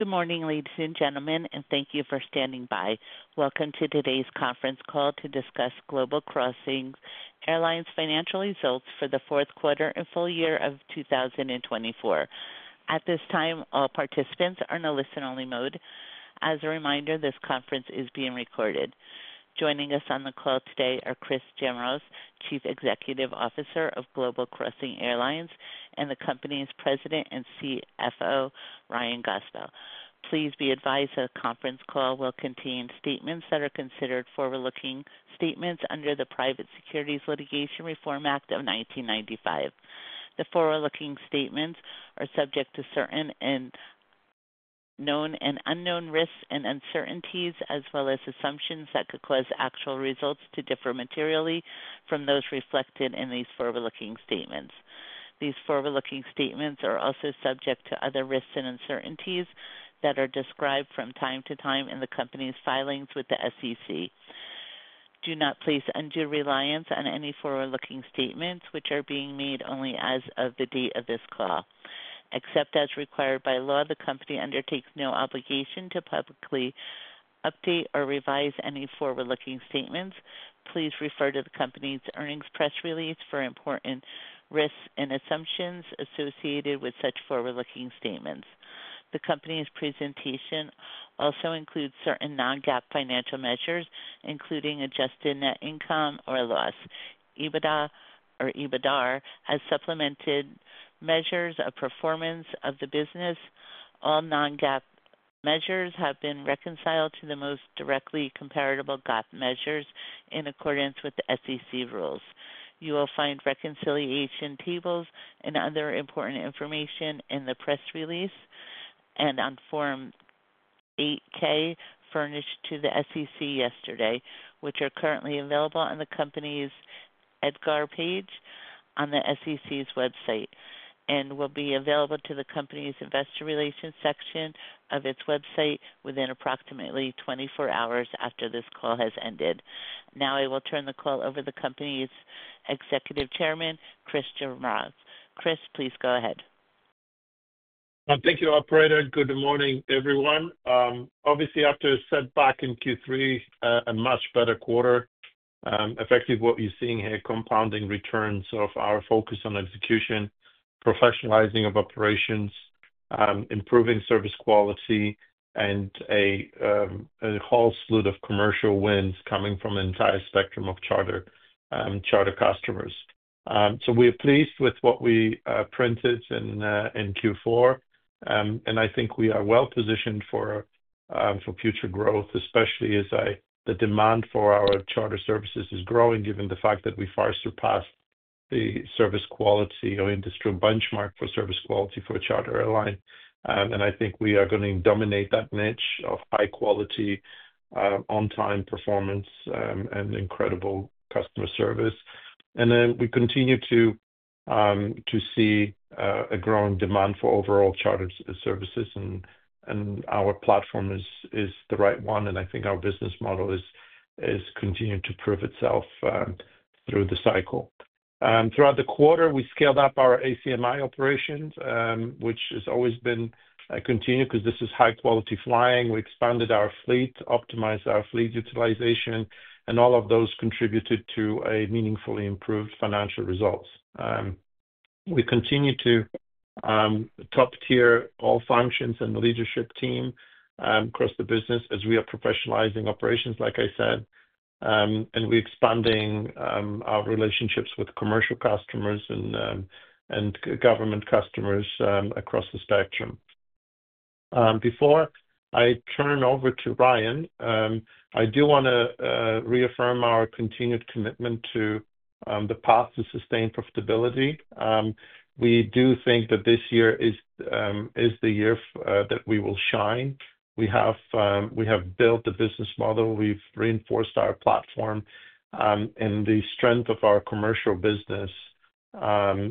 Good morning, ladies and gentlemen, and thank you for standing by. Welcome to today's conference call to discuss Global Crossing Airlines Group's Financial Results for the Fourth Quarter and Full Year of 2024. At this time, all participants are in a listen-only mode. As a reminder, this conference is being recorded. Joining us on the call today are Chris Jamroz, Chief Executive Officer of Global Crossing Airlines, and the company's President and CFO, Ryan Goepel. Please be advised that the conference call will contain statements that are considered forward-looking statements under the Private Securities Litigation Reform Act of 1995. The forward-looking statements are subject to certain known and unknown risks and uncertainties, as well as assumptions that could cause actual results to differ materially from those reflected in these forward-looking statements. These forward-looking statements are also subject to other risks and uncertainties that are described from time to time in the company's filings with the SEC. Do not place undue reliance on any forward-looking statements, which are being made only as of the date of this call. Except as required by law, the company undertakes no obligation to publicly update or revise any forward-looking statements. Please refer to the company's earnings press release for important risks and assumptions associated with such forward-looking statements. The company's presentation also includes certain non-GAAP financial measures, including adjusted net income or loss. EBITDA or EBITDAR has supplemented measures of performance of the business. All non-GAAP measures have been reconciled to the most directly comparable GAAP measures in accordance with the SEC rules. You will find reconciliation tables and other important information in the press release and on Form 8-K furnished to the SEC yesterday, which are currently available on the company's EDGAR page on the SEC's website and will be available to the company's investor relations section of its website within approximately 24 hours after this call has ended. Now I will turn the call over to the company's Executive Chairman, Chris Jamroz. Chris, please go ahead. Thank you, Operator. Good morning, everyone. Obviously, after a setback in Q3, a much better quarter, effectively what you're seeing here, compounding returns of our focus on execution, professionalizing of operations, improving service quality, and a whole slew of commercial wins coming from an entire spectrum of charter customers. We are pleased with what we printed in Q4, and I think we are well positioned for future growth, especially as the demand for our charter services is growing, given the fact that we far surpassed the service quality or industry benchmark for service quality for a charter airline. I think we are going to dominate that niche of high-quality, on-time performance and incredible customer service. We continue to see a growing demand for overall charter services, and our platform is the right one. I think our business model is continuing to prove itself through the cycle. Throughout the quarter, we scaled up our ACMI operations, which has always been continued because this is high-quality flying. We expanded our fleet, optimized our fleet utilization, and all of those contributed to meaningfully improved financial results. We continue to top-tier all functions and the leadership team across the business as we are professionalizing operations, like I said, and we're expanding our relationships with commercial customers and government customers across the spectrum. Before I turn over to Ryan, I do want to reaffirm our continued commitment to the path to sustained profitability. We do think that this year is the year that we will shine. We have built the business model. We've reinforced our platform, and the strength of our commercial business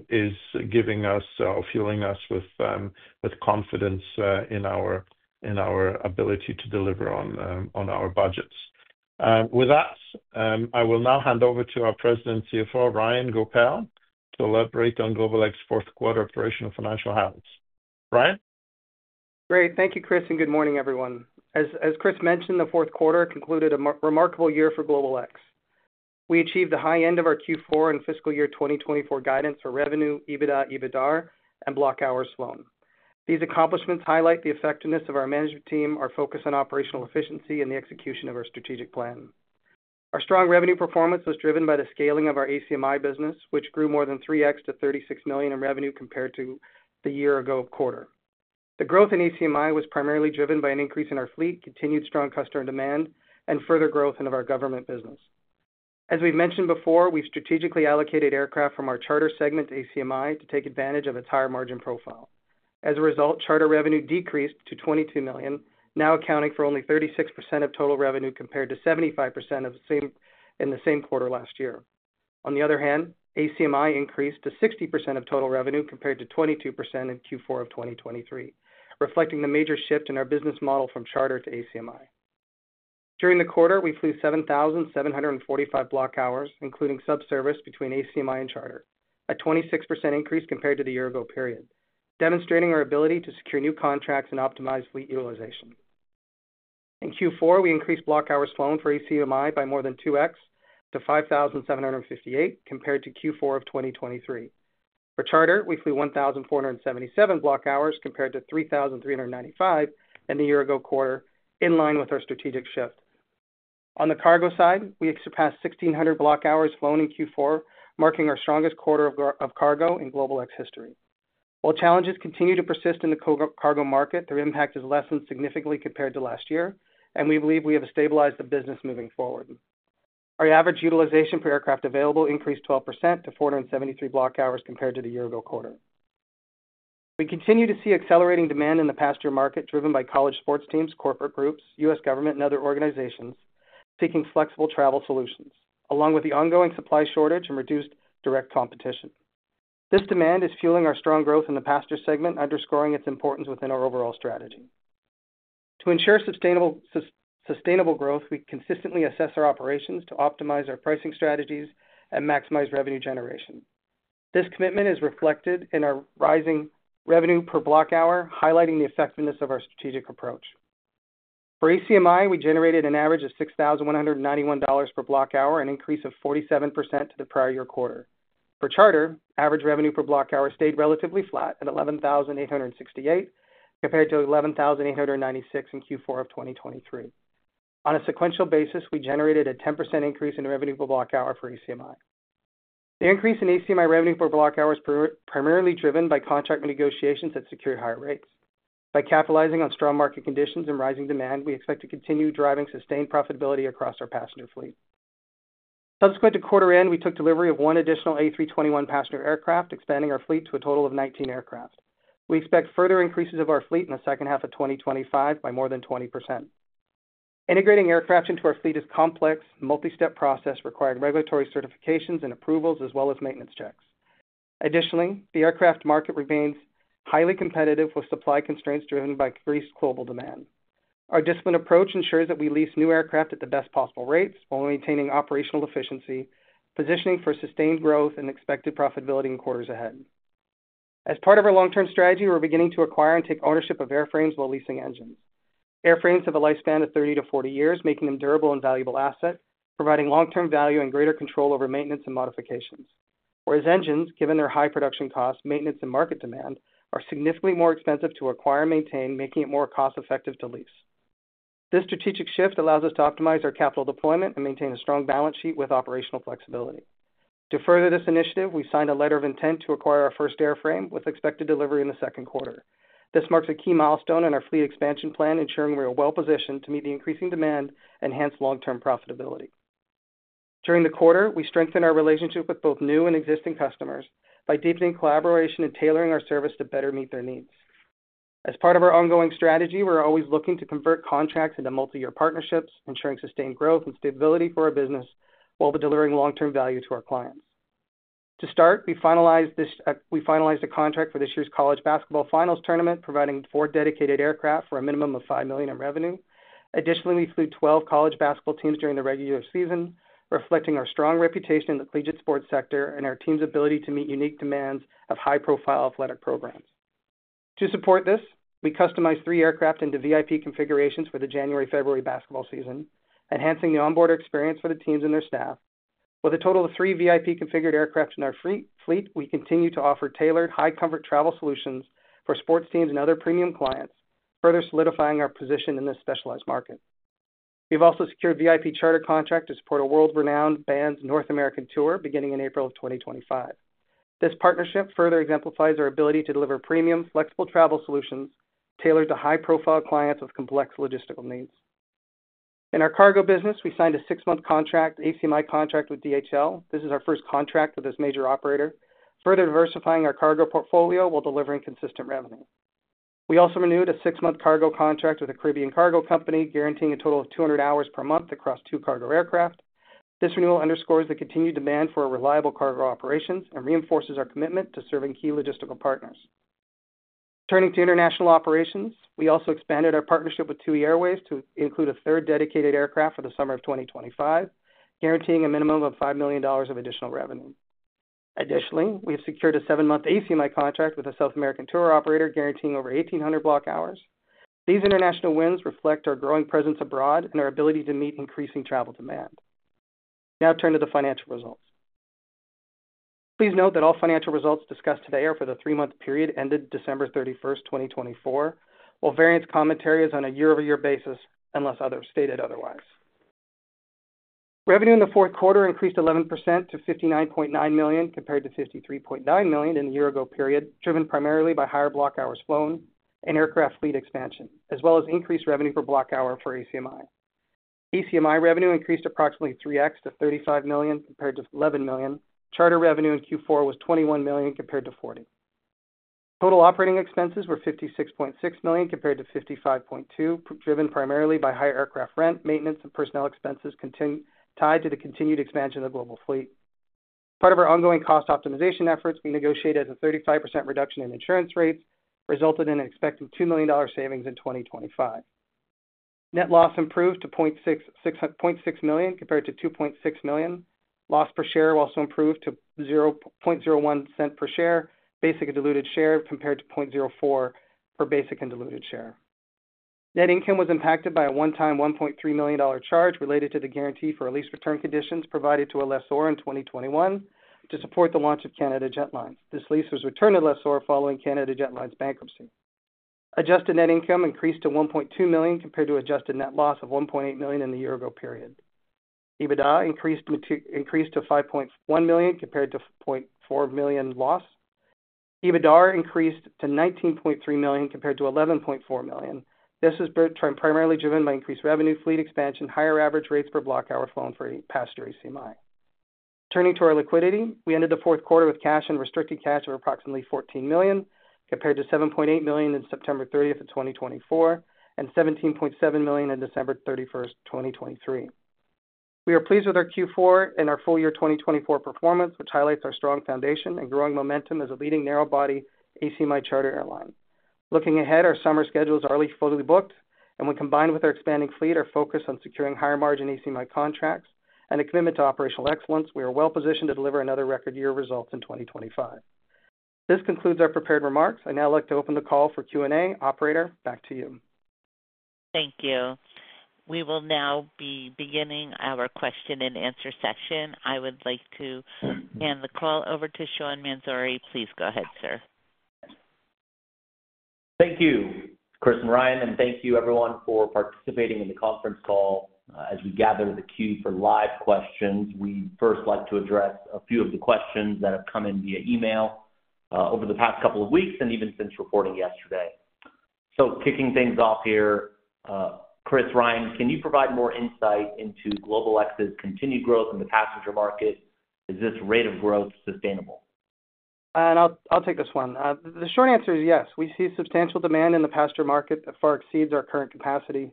is giving us or fueling us with confidence in our ability to deliver on our budgets. With that, I will now hand over to our President and CFO, Ryan Goepel, to elaborate on GlobalX's Fourth Quarter operational financial health. Ryan? Great. Thank you, Chris, and good morning, everyone. As Chris mentioned, the fourth quarter concluded a remarkable year for GlobalX. We achieved the high end of our Q4 and fiscal year 2024 guidance for revenue, EBITDA, EBITDAR, and block hours flown. These accomplishments highlight the effectiveness of our management team, our focus on operational efficiency, and the execution of our strategic plan. Our strong revenue performance was driven by the scaling of our ACMI business, which grew more than 3X to $36 million in revenue compared to the year-ago quarter. The growth in ACMI was primarily driven by an increase in our fleet, continued strong customer demand, and further growth in our government business. As we've mentioned before, we've strategically allocated aircraft from our charter segment to ACMI to take advantage of its higher margin profile. As a result, charter revenue decreased to $22 million, now accounting for only 36% of total revenue compared to 75% in the same quarter last year. On the other hand, ACMI increased to 60% of total revenue compared to 22% in Q4 of 2023, reflecting the major shift in our business model from charter to ACMI. During the quarter, we flew 7,745 block hours, including subservice between ACMI and charter, a 26% increase compared to the year-ago period, demonstrating our ability to secure new contracts and optimize fleet utilization. In Q4, we increased block hours flown for ACMI by more than 2X to 5,758 compared to Q4 of 2023. For charter, we flew 1,477 block hours compared to 3,395 in the year-ago quarter, in line with our strategic shift. On the cargo side, we surpassed 1,600 block hours flown in Q4, marking our strongest quarter of cargo in GlobalX history. While challenges continue to persist in the cargo market, their impact has lessened significantly compared to last year, and we believe we have stabilized the business moving forward. Our average utilization per aircraft available increased 12% to 473 block hours compared to the year-ago quarter. We continue to see accelerating demand in the passenger market driven by college sports teams, corporate groups, U.S. government, and other organizations seeking flexible travel solutions, along with the ongoing supply shortage and reduced direct competition. This demand is fueling our strong growth in the passenger segment, underscoring its importance within our overall strategy. To ensure sustainable growth, we consistently assess our operations to optimize our pricing strategies and maximize revenue generation. This commitment is reflected in our rising revenue per block hour, highlighting the effectiveness of our strategic approach. For ACMI, we generated an average of $6,191 per block hour, an increase of 47% to the prior year quarter. For charter, average revenue per block hour stayed relatively flat at $11,868 compared to $11,896 in Q4 of 2023. On a sequential basis, we generated a 10% increase in revenue per block hour for ACMI. The increase in ACMI revenue per block hour is primarily driven by contract negotiations that secured higher rates. By capitalizing on strong market conditions and rising demand, we expect to continue driving sustained profitability across our passenger fleet. Subsequent to quarter end, we took delivery of one additional A321 passenger aircraft, expanding our fleet to a total of 19 aircraft. We expect further increases of our fleet in the second half of 2025 by more than 20%. Integrating aircraft into our fleet is a complex, multi-step process requiring regulatory certifications and approvals, as well as maintenance checks. Additionally, the aircraft market remains highly competitive with supply constraints driven by increased global demand. Our disciplined approach ensures that we lease new aircraft at the best possible rates while maintaining operational efficiency, positioning for sustained growth and expected profitability in quarters ahead. As part of our long-term strategy, we're beginning to acquire and take ownership of airframes while leasing engines. Airframes have a lifespan of 30-40 years, making them a durable and valuable asset, providing long-term value and greater control over maintenance and modifications. Whereas engines, given their high production costs, maintenance, and market demand, are significantly more expensive to acquire and maintain, making it more cost-effective to lease. This strategic shift allows us to optimize our capital deployment and maintain a strong balance sheet with operational flexibility. To further this initiative, we signed a letter of intent to acquire our first airframe with expected delivery in the second quarter. This marks a key milestone in our fleet expansion plan, ensuring we are well positioned to meet the increasing demand and enhance long-term profitability. During the quarter, we strengthen our relationship with both new and existing customers by deepening collaboration and tailoring our service to better meet their needs. As part of our ongoing strategy, we're always looking to convert contracts into multi-year partnerships, ensuring sustained growth and stability for our business while delivering long-term value to our clients. To start, we finalized a contract for this year's college basketball finals tournament, providing four dedicated aircraft for a minimum of $5 million in revenue. Additionally, we flew 12 college basketball teams during the regular season, reflecting our strong reputation in the collegiate sports sector and our team's ability to meet unique demands of high-profile athletic programs. To support this, we customized three aircraft into VIP configurations for the January-February basketball season, enhancing the onboard experience for the teams and their staff. With a total of three VIP-configured aircraft in our fleet, we continue to offer tailored, high-comfort travel solutions for sports teams and other premium clients, further solidifying our position in this specialized market. We've also secured a VIP charter contract to support a world-renowned band's North American tour beginning in April of 2025. This partnership further exemplifies our ability to deliver premium, flexible travel solutions tailored to high-profile clients with complex logistical needs. In our cargo business, we signed a six-month ACMI contract with DHL. This is our first contract with this major operator, further diversifying our cargo portfolio while delivering consistent revenue. We also renewed a six-month cargo contract with a Caribbean cargo company, guaranteeing a total of 200 hours per month across two cargo aircraft. This renewal underscores the continued demand for reliable cargo operations and reinforces our commitment to serving key logistical partners. Turning to international operations, we also expanded our partnership with TUI Airways to include a third dedicated aircraft for the summer of 2025, guaranteeing a minimum of $5 million of additional revenue. Additionally, we have secured a seven-month ACMI contract with a South American tour operator, guaranteeing over 1,800 block hours. These international wins reflect our growing presence abroad and our ability to meet increasing travel demand. Now turn to the financial results. Please note that all financial results discussed today are for the three-month period ended December 31, 2024, while variance commentary is on a year-over-year basis unless otherwise stated. Revenue in the fourth quarter increased 11% to $59.9 million compared to $53.9 million in the year-ago period, driven primarily by higher block hours flown and aircraft fleet expansion, as well as increased revenue per block hour for ACMI. ACMI revenue increased approximately 3X to $35 million compared to $11 million. Charter revenue in Q4 was $21 million compared to $40 million. Total operating expenses were $56.6 million compared to $55.2 million, driven primarily by higher aircraft rent, maintenance, and personnel expenses tied to the continued expansion of the global fleet. As part of our ongoing cost optimization efforts, we negotiated a 35% reduction in insurance rates, resulting in an expected $2 million savings in 2025. Net loss improved to $0.6 million compared to $2.6 million. Loss per share also improved to $0.01 per share, basic and diluted share, compared to $0.04 per basic and diluted share. Net income was impacted by a one-time $1.3 million charge related to the guarantee for a lease return conditions provided to a lessor in 2021 to support the launch of Canada Jetlines. This lease was returned to lessor following Canada Jetlines' bankruptcy. Adjusted net income increased to $1.2 million compared to adjusted net loss of $1.8 million in the year-ago period. EBITDA increased to $5.1 million compared to $0.4 million loss. EBITDAR increased to $19.3 million compared to $11.4 million. This was primarily driven by increased revenue, fleet expansion, higher average rates per block hour flown for passenger ACMI. Turning to our liquidity, we ended the fourth quarter with cash and restricted cash of approximately $14 million compared to $7.8 million on September 30, 2024 and $17.7 million on December 31, 2023. We are pleased with our Q4 and our full year 2024 performance, which highlights our strong foundation and growing momentum as a leading narrow-body ACMI charter airline. Looking ahead, our summer schedule is already fully booked, and when combined with our expanding fleet, our focus on securing higher-margin ACMI contracts and a commitment to operational excellence, we are well positioned to deliver another record year of results in 2025. This concludes our prepared remarks. I now like to open the call for Q&A. Operator, back to you. Thank you. We will now be beginning our question-and-answer session. I would like to hand the call over to Sean Mansouri. Please go ahead, sir. Thank you, Chris and Ryan, and thank you, everyone, for participating in the conference call. As we gather the queue for live questions, we'd first like to address a few of the questions that have come in via email over the past couple of weeks and even since reporting yesterday. Kicking things off here, Chris, Ryan, can you provide more insight into GlobalX's continued growth in the passenger market? Is this rate of growth sustainable? I'll take this one. The short answer is yes. We see substantial demand in the passenger market that far exceeds our current capacity.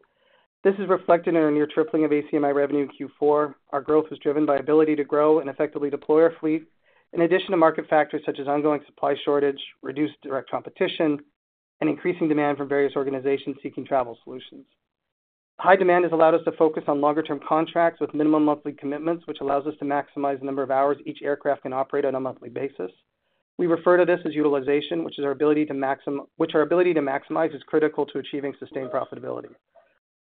This is reflected in a near tripling of ACMI revenue in Q4. Our growth is driven by the ability to grow and effectively deploy our fleet, in addition to market factors such as ongoing supply shortage, reduced direct competition, and increasing demand from various organizations seeking travel solutions. High demand has allowed us to focus on longer-term contracts with minimum monthly commitments, which allows us to maximize the number of hours each aircraft can operate on a monthly basis. We refer to this as utilization, which is our ability to maximize. Our ability to maximize is critical to achieving sustained profitability.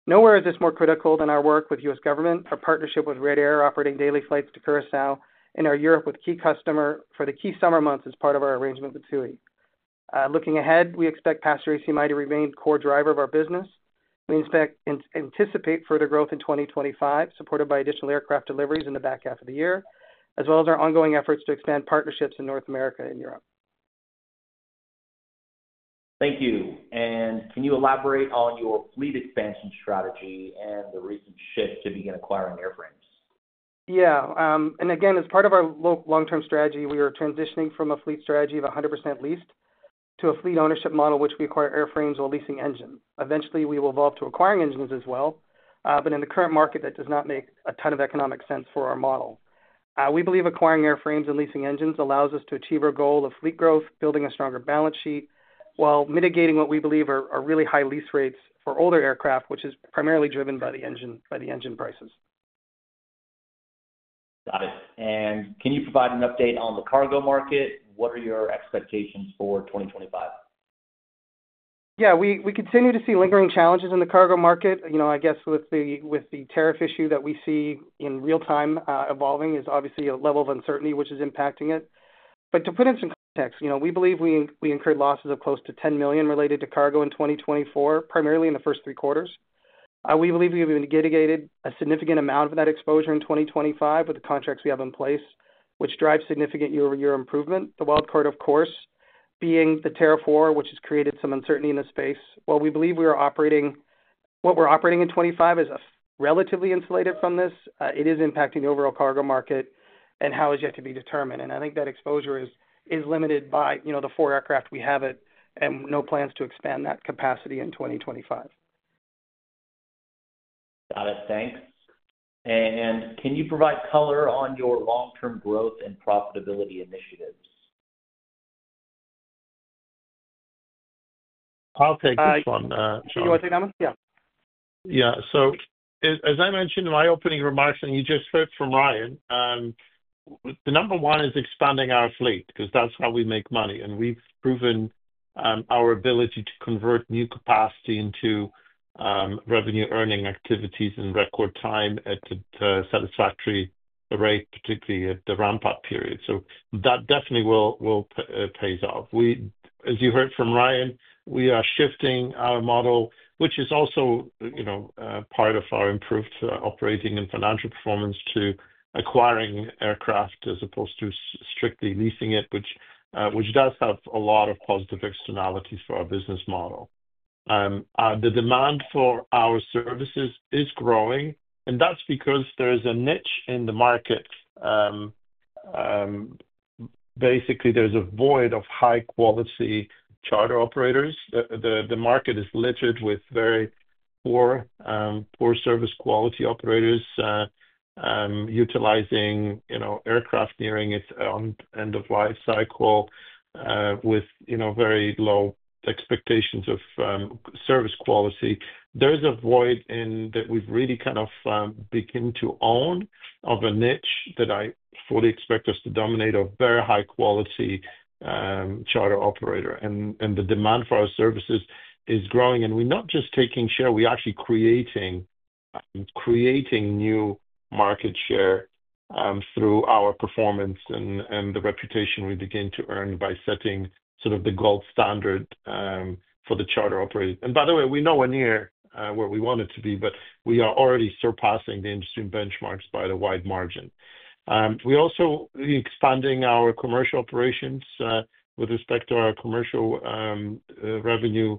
Nowhere is this more critical than our work with the U.S. government, our partnership with Red Air operating daily flights to Curacao, and our Europe with key customers for the key summer months as part of our arrangement with TUI. Looking ahead, we expect passenger ACMI to remain a core driver of our business. We anticipate further growth in 2025, supported by additional aircraft deliveries in the back half of the year, as well as our ongoing efforts to expand partnerships in North America and Europe. Thank you. Can you elaborate on your fleet expansion strategy and the recent shift to begin acquiring airframes? Yeah. As part of our long-term strategy, we are transitioning from a fleet strategy of 100% leased to a fleet ownership model, which requires airframes while leasing engines. Eventually, we will evolve to acquiring engines as well, but in the current market, that does not make a ton of economic sense for our model. We believe acquiring airframes and leasing engines allows us to achieve our goal of fleet growth, building a stronger balance sheet while mitigating what we believe are really high lease rates for older aircraft, which is primarily driven by the engine prices. Got it. Can you provide an update on the cargo market? What are your expectations for 2025? Yeah. We continue to see lingering challenges in the cargo market. I guess with the tariff issue that we see in real time evolving is obviously a level of uncertainty which is impacting it. To put it in some context, we believe we incurred losses of close to $10 million related to cargo in 2024, primarily in the first three quarters. We believe we have mitigated a significant amount of that exposure in 2025 with the contracts we have in place, which drive significant year-over-year improvement. The wildcard, of course, being the tariff war, which has created some uncertainty in the space. While we believe we are operating what we're operating in 2025 is relatively insulated from this, it is impacting the overall cargo market and how it is yet to be determined. I think that exposure is limited by the four aircraft we have and no plans to expand that capacity in 2025. Got it. Thanks. Can you provide color on your long-term growth and profitability initiatives? I'll take this one. You want to take that one? Yeah. Yeah. As I mentioned in my opening remarks, and you just heard from Ryan, the number one is expanding our fleet because that's how we make money. We've proven our ability to convert new capacity into revenue-earning activities in record time at a satisfactory rate, particularly at the ramp-up period. That definitely will pay off. As you heard from Ryan, we are shifting our model, which is also part of our improved operating and financial performance, to acquiring aircraft as opposed to strictly leasing it, which does have a lot of positive externalities for our business model. The demand for our services is growing, and that's because there is a niche in the market. Basically, there's a void of high-quality charter operators. The market is littered with very poor service quality operators utilizing aircraft nearing its end-of-life cycle with very low expectations of service quality. There is a void that we've really kind of begun to own of a niche that I fully expect us to dominate of very high-quality charter operator. The demand for our services is growing. We're not just taking share; we're actually creating new market share through our performance and the reputation we begin to earn by setting sort of the gold standard for the charter operator. By the way, we know we're near where we wanted to be, but we are already surpassing the industry benchmarks by a wide margin. We're also expanding our commercial operations with respect to our commercial revenue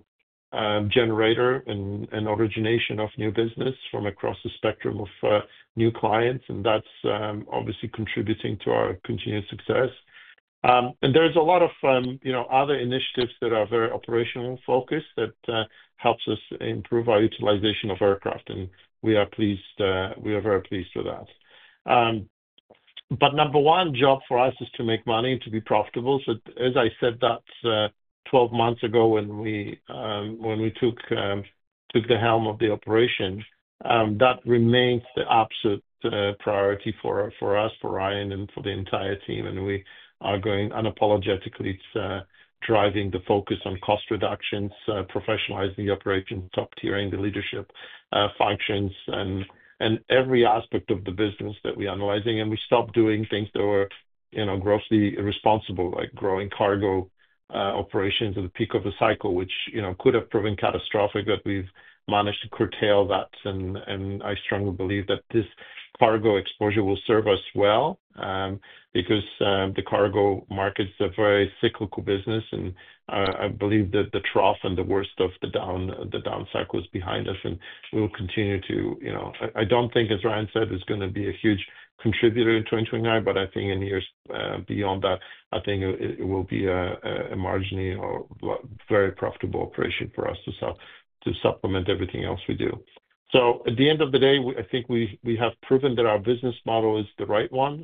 generator and origination of new business from across the spectrum of new clients. That's obviously contributing to our continued success. There are a lot of other initiatives that are very operational-focused that help us improve our utilization of aircraft. We are very pleased with that. The number one job for us is to make money and to be profitable. As I said 12 months ago when we took the helm of the operation, that remains the absolute priority for us, for Ryan, and for the entire team. We are going unapologetically to driving the focus on cost reductions, professionalizing the operations, top-tiering the leadership functions, and every aspect of the business that we are analyzing. We stopped doing things that were grossly irresponsible, like growing cargo operations at the peak of the cycle, which could have proven catastrophic, but we have managed to curtail that. I strongly believe that this cargo exposure will serve us well because the cargo markets are a very cyclical business. I believe that the trough and the worst of the down cycle is behind us, and we will continue to. I don't think, as Ryan said, it's going to be a huge contributor in 2029, but I think in years beyond that, I think it will be a marginally or very profitable operation for us to supplement everything else we do. At the end of the day, I think we have proven that our business model is the right one.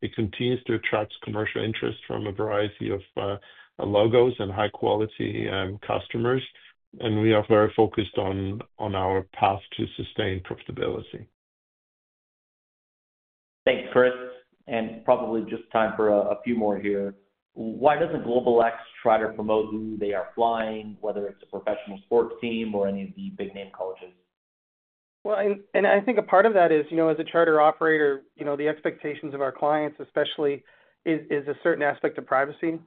It continues to attract commercial interest from a variety of logos and high-quality customers. We are very focused on our path to sustained profitability. Thanks, Chris. Probably just time for a few more here. Why doesn't GlobalX try to promote who they are flying, whether it's a professional sports team or any of the big-name colleges? I think a part of that is, as a charter operator, the expectations of our clients, especially, is a certain aspect of privacy.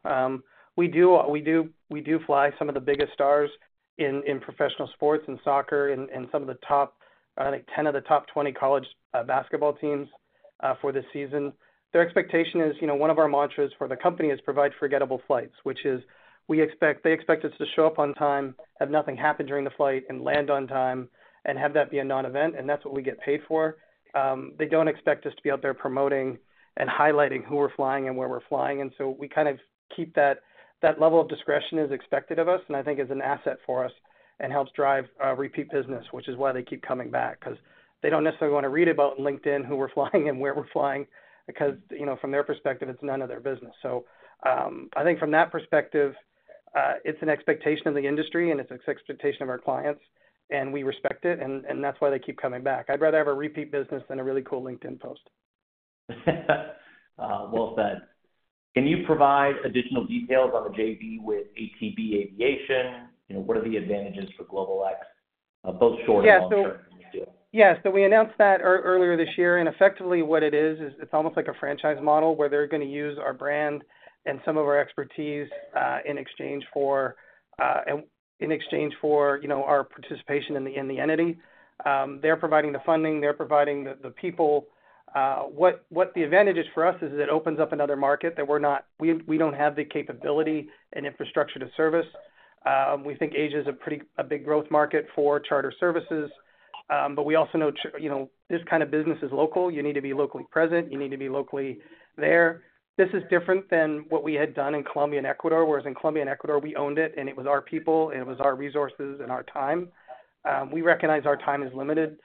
We do fly some of the biggest stars in professional sports and soccer and some of the top, I think, 10 of the top 20 college basketball teams for the season. Their expectation is one of our mantras for the company is provide forgettable flights, which is they expect us to show up on time, have nothing happen during the flight, and land on time, and have that be a non-event. That is what we get paid for. They do not expect us to be out there promoting and highlighting who we are flying and where we are flying. We kind of keep that level of discretion as expected of us, and I think it is an asset for us and helps drive repeat business, which is why they keep coming back because they do not necessarily want to read about LinkedIn, who we are flying, and where we are flying because from their perspective, it is none of their business. I think from that perspective, it is an expectation of the industry, and it is an expectation of our clients, and we respect it. That is why they keep coming back. I would rather have repeat business than a really cool LinkedIn post. Can you provide additional details on the JV with ATB Aviation? What are the advantages for GlobalX, both short and long-term? Yeah. We announced that earlier this year. Effectively, what it is, is it's almost like a franchise model where they're going to use our brand and some of our expertise in exchange for our participation in the entity. They're providing the funding. They're providing the people. What the advantage is for us is it opens up another market that we don't have the capability and infrastructure to service. We think Asia is a big growth market for charter services. We also know this kind of business is local. You need to be locally present. You need to be locally there. This is different than what we had done in Colombia and Ecuador, whereas in Colombia and Ecuador, we owned it, and it was our people, and it was our resources, and our time. We recognize our time is limited.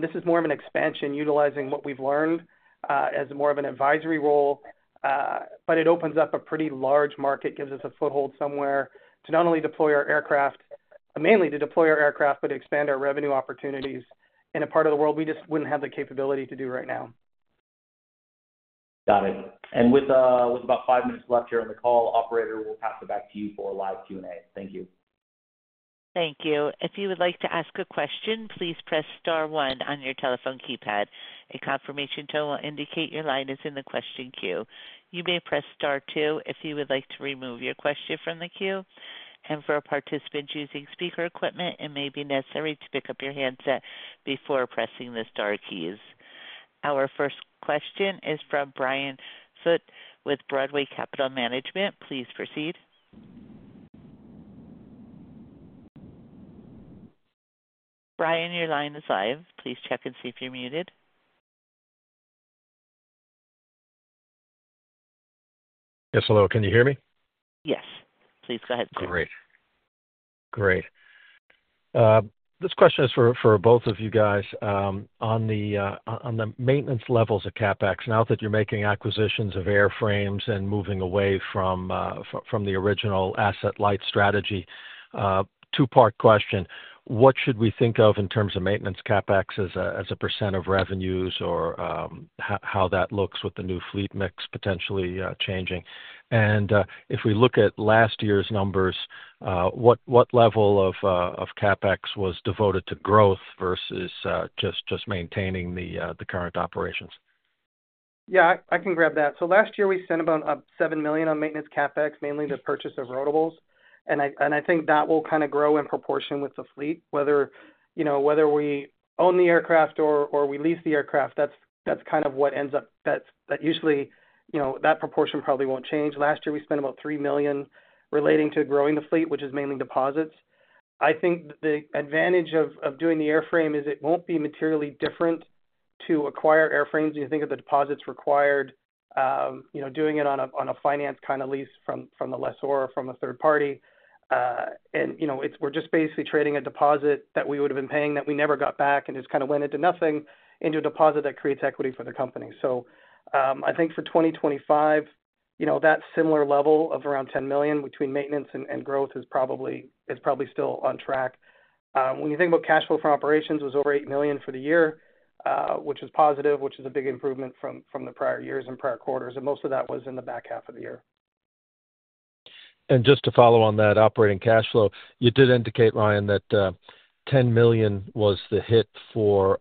This is more of an expansion, utilizing what we've learned as more of an advisory role. It opens up a pretty large market, gives us a foothold somewhere to not only deploy our aircraft, mainly to deploy our aircraft, but to expand our revenue opportunities in a part of the world we just wouldn't have the capability to do right now. Got it. With about five minutes left here on the call, Operator, we'll pass it back to you for a live Q&A. Thank you. Thank you. If you would like to ask a question, please press Star 1 on your telephone keypad. A confirmation tone will indicate your line is in the question queue. You may press Star 2 if you would like to remove your question from the queue. For participants using speaker equipment, it may be necessary to pick up your handset before pressing the Star keys. Our first question is from Brian Foote with Broadway Capital Management. Please proceed. Brian, your line is live. Please check and see if you're muted. Yes. Hello. Can you hear me? Yes. Please go ahead. Great. Great. This question is for both of you guys. On the maintenance levels of CapEx, now that you're making acquisitions of airframes and moving away from the original asset light strategy, two-part question. What should we think of in terms of maintenance CapEx as a percent of revenues or how that looks with the new fleet mix potentially changing? If we look at last year's numbers, what level of CapEx was devoted to growth versus just maintaining the current operations? Yeah. I can grab that. Last year, we spent about $7 million on maintenance CapEx, mainly the purchase of rotables, and I think that will kind of grow in proportion with the fleet. Whether we own the aircraft or we lease the aircraft, that's kind of what ends up. That usually, that proportion probably won't change. Last year, we spent about $3 million relating to growing the fleet, which is mainly deposits. I think the advantage of doing the airframe is it won't be materially different to acquire airframes when you think of the deposits required, doing it on a finance kind of lease from the lessor or from a third party. We're just basically trading a deposit that we would have been paying that we never got back and just kind of went into nothing into a deposit that creates equity for the company. I think for 2025, that similar level of around $10 million between maintenance and growth is probably still on track. When you think about cash flow from operations, it was over $8 million for the year, which is positive, which is a big improvement from the prior years and prior quarters. Most of that was in the back half of the year. Just to follow on that operating cash flow, you did indicate, Ryan, that $10 million was the hit for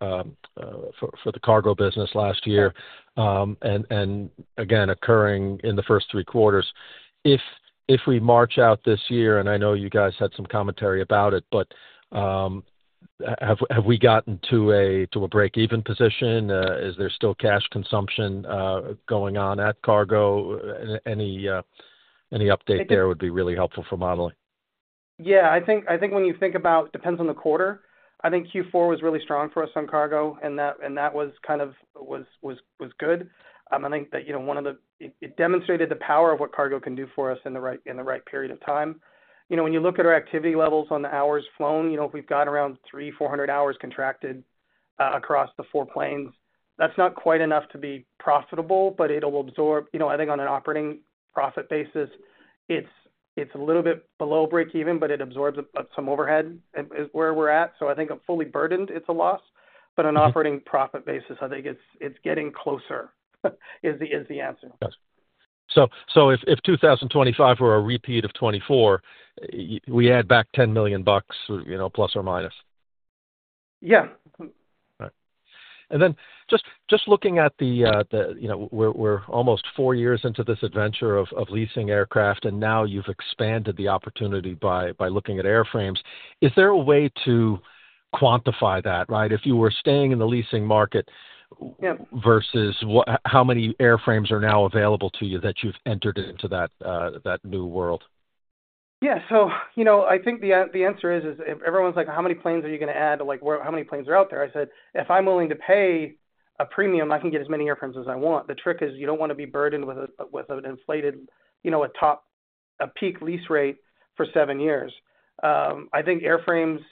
the cargo business last year, and again, occurring in the first three quarters. If we march out this year, and I know you guys had some commentary about it, but have we gotten to a break-even position? Is there still cash consumption going on at cargo? Any update there would be really helpful for modeling. Yeah. I think when you think about it, it depends on the quarter. I think Q4 was really strong for us on cargo, and that was kind of good. I think that one of the it demonstrated the power of what cargo can do for us in the right period of time. When you look at our activity levels on the hours flown, we've got around 3,400 hours contracted across the four planes. That's not quite enough to be profitable, but it'll absorb. I think on an operating profit basis, it's a little bit below break-even, but it absorbs some overhead where we're at. I think fully burdened, it's a loss. On an operating profit basis, I think it's getting closer is the answer. Yes. If 2025 were a repeat of 2024, we add back $10 million plus or minus. Yeah. All right. Just looking at the we're almost four years into this adventure of leasing aircraft, and now you've expanded the opportunity by looking at airframes. Is there a way to quantify that, right? If you were staying in the leasing market versus how many airframes are now available to you that you've entered into that new world? Yeah. I think the answer is, everyone's like, "How many planes are you going to add? How many planes are out there?" I said, "If I'm willing to pay a premium, I can get as many airframes as I want." The trick is you don't want to be burdened with an inflated, a peak lease rate for seven years. I think airframes,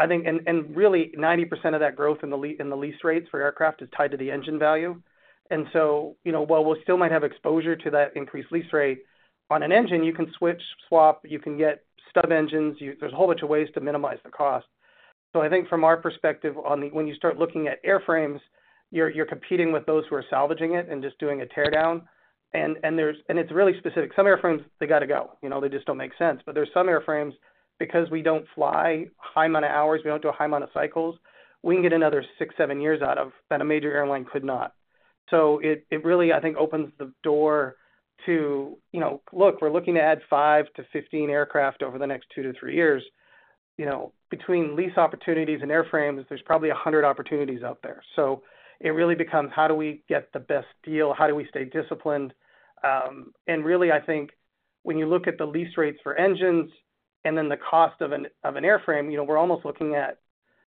and really 90% of that growth in the lease rates for aircraft is tied to the engine value. And so while we still might have exposure to that increased lease rate on an engine, you can switch, swap, you can get stub engines. There's a whole bunch of ways to minimize the cost. I think from our perspective, when you start looking at airframes, you're competing with those who are salvaging it and just doing a tear down. It's really specific. Some airframes, they got to go. They just don't make sense. But there's some airframes, because we don't fly a high amount of hours, we don't do a high amount of cycles, we can get another six, seven years out of that a major airline could not. It really, I think, opens the door to, "Look, we're looking to add 5-15 aircraft over the next two to three years." Between lease opportunities and airframes, there's probably 100 opportunities out there. It really becomes, how do we get the best deal? How do we stay disciplined? Really, I think when you look at the lease rates for engines and then the cost of an airframe, we're almost looking at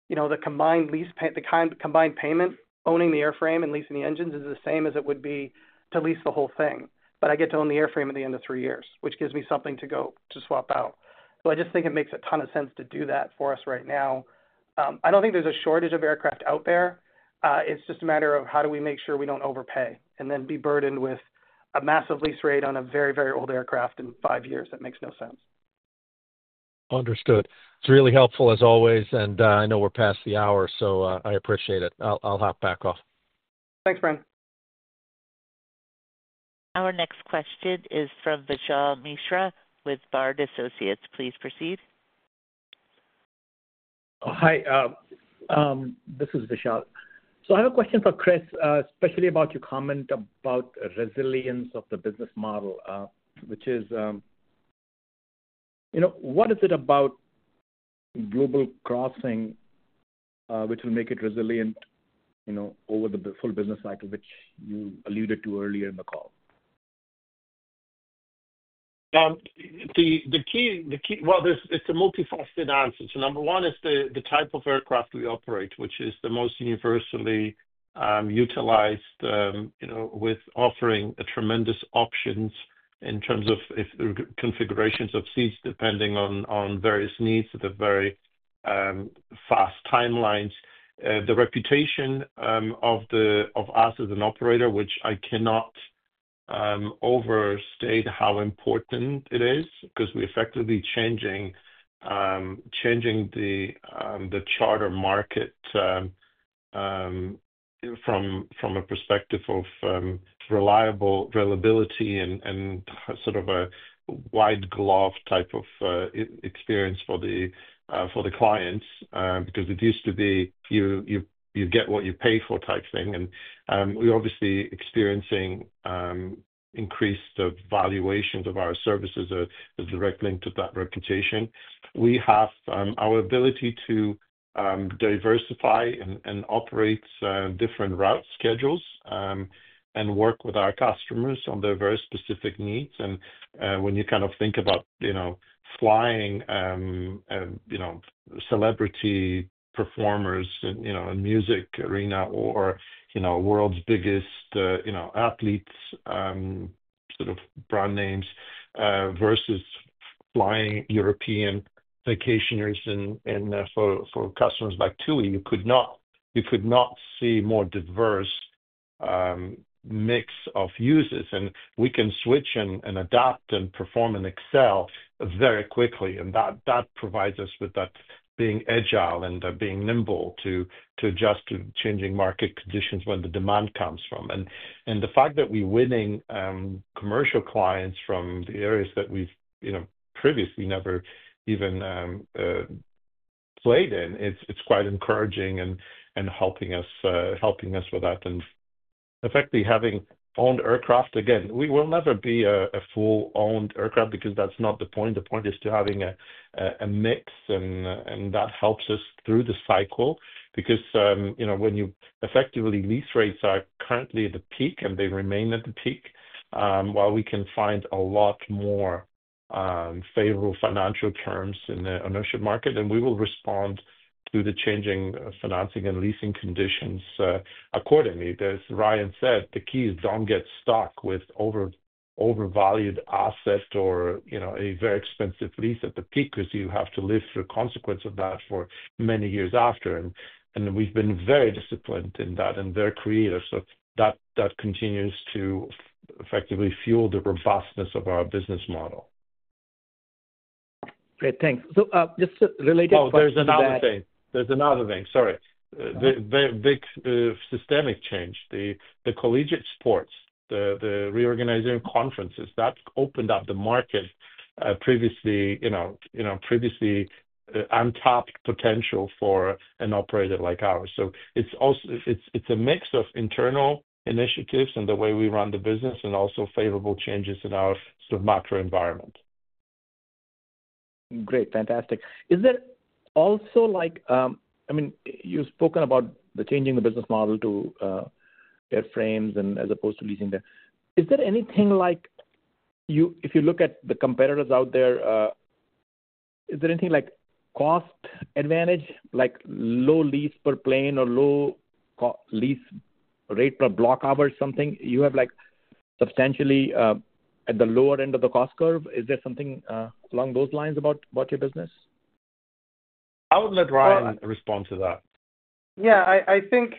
the combined payment, owning the airframe and leasing the engines is the same as it would be to lease the whole thing. I get to own the airframe at the end of three years, which gives me something to go to swap out. I just think it makes a ton of sense to do that for us right now. I do not think there is a shortage of aircraft out there. It is just a matter of how do we make sure we do not overpay and then be burdened with a massive lease rate on a very, very old aircraft in five years. That makes no sense. Understood. It's really helpful, as always. I know we're past the hour, so I appreciate it. I'll hop back off. Thanks, Brian. Our next question is from Vishal Mishra with Bard Associates. Please proceed. Hi. This is Vishal. I have a question for Chris, especially about your comment about resilience of the business model, which is, what is it about Global Crossing which will make it resilient over the full business cycle, which you alluded to earlier in the call? The key, it's a multifaceted answer. Number one is the type of aircraft we operate, which is the most universally utilized with offering tremendous options in terms of configurations of seats depending on various needs at the very fast timelines. The reputation of us as an operator, which I cannot overstate how important it is because we're effectively changing the charter market from a perspective of reliability and sort of a white glove type of experience for the clients because it used to be you get what you pay for type thing. We're obviously experiencing increased valuations of our services as direct link to that reputation. We have our ability to diversify and operate different route schedules and work with our customers on their very specific needs. When you kind of think about flying celebrity performers in the music arena or world's biggest athletes, sort of brand names versus flying European vacationers for customers like TUI, you could not see a more diverse mix of users. We can switch and adapt and perform and excel very quickly. That provides us with that being agile and being nimble to adjust to changing market conditions when the demand comes from. The fact that we're winning commercial clients from the areas that we've previously never even played in, it's quite encouraging and helping us with that. Effectively having owned aircraft, again, we will never be a full-owned aircraft because that's not the point. The point is to having a mix, and that helps us through the cycle because when you effectively lease rates are currently at the peak and they remain at the peak, while we can find a lot more favorable financial terms in the ownership market, and we will respond to the changing financing and leasing conditions accordingly. As Ryan said, the key is don't get stuck with overvalued assets or a very expensive lease at the peak because you have to live through consequences of that for many years after. We've been very disciplined in that and very creative. That continues to effectively fuel the robustness of our business model. Great. Thanks. Just related to that. Oh, there's another thing. Sorry. Big systemic change. The collegiate sports, the reorganizing conferences, that opened up the market, previously untapped potential for an operator like ours. It's a mix of internal initiatives and the way we run the business and also favorable changes in our sort of macro environment. Great. Fantastic. Is there also—I mean, you've spoken about changing the business model to airframes and as opposed to leasing them. Is there anything like if you look at the competitors out there, is there anything like cost advantage, like low lease per plane or low lease rate per block hour or something? You have substantially at the lower end of the cost curve. Is there something along those lines about your business? I would let Ryan respond to that. Yeah. I think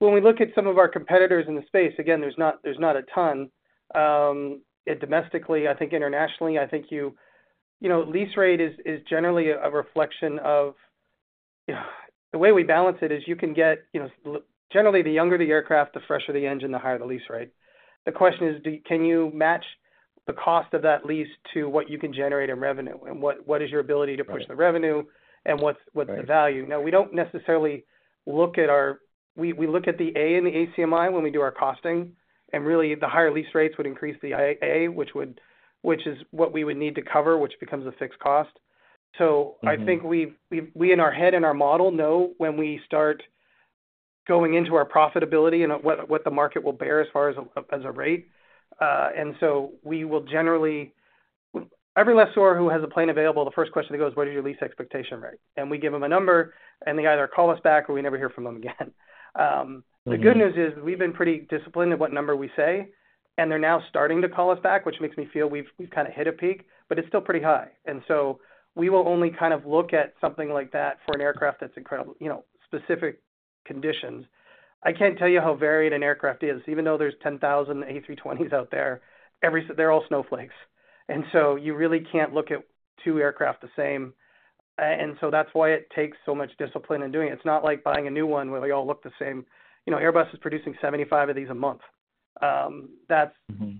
when we look at some of our competitors in the space, again, there's not a ton domestically. I think internationally, you know, lease rate is generally a reflection of the way we balance it is you can get generally, the younger the aircraft, the fresher the engine, the higher the lease rate. The question is, can you match the cost of that lease to what you can generate in revenue? What is your ability to push the revenue and what's the value? Now, we don't necessarily look at our—we look at the A and the ACMI when we do our costing. Really, the higher lease rates would increase the A, which is what we would need to cover, which becomes a fixed cost. I think we, in our head and our model, know when we start going into our profitability and what the market will bear as far as a rate. We will generally—every lessor who has a plane available, the first question that goes is, "What is your lease expectation rate?" We give them a number, and they either call us back or we never hear from them again. The good news is we've been pretty disciplined in what number we say, and they're now starting to call us back, which makes me feel we've kind of hit a peak, but it's still pretty high. We will only kind of look at something like that for an aircraft that's in specific conditions. I can't tell you how varied an aircraft is. Even though there's 10,000 A320s out there, they're all snowflakes. You really can't look at two aircraft the same. That is why it takes so much discipline in doing it. It's not like buying a new one where they all look the same. Airbus is producing 75 of these a month.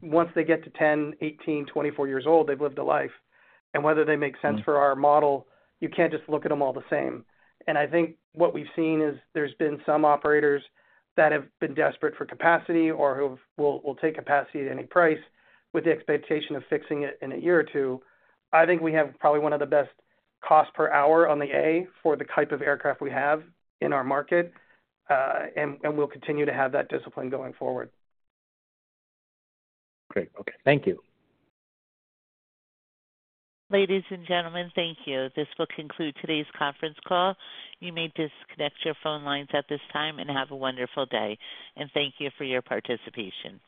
Once they get to 10, 18, 24 years old, they've lived a life. Whether they make sense for our model, you can't just look at them all the same. I think what we've seen is there have been some operators that have been desperate for capacity or will take capacity at any price with the expectation of fixing it in a year or two. I think we have probably one of the best costs per hour on the A for the type of aircraft we have in our market, and we'll continue to have that discipline going forward. Great. Okay. Thank you. Ladies and gentlemen, thank you. This will conclude today's conference call. You may disconnect your phone lines at this time and have a wonderful day. Thank you for your participation.